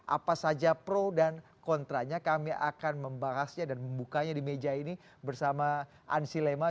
apa saja pro dan kontranya kami akan membahasnya dan membukanya di meja ini bersama ansi lema